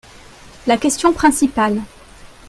La question principale.